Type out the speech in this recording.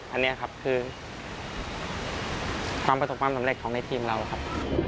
อันนี้ครับคือความประสบความสำเร็จของในทีมเราครับ